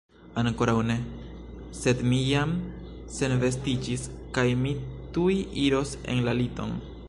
Ankoraŭ ne, sed mi jam senvestiĝis kaj mi tuj iros en la liton.